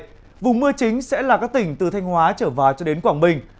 trong ngày một mươi bảy vùng mưa chính sẽ là các tỉnh từ thanh hóa trở vào đến quảng bình